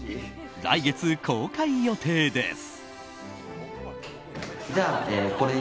来月公開予定です。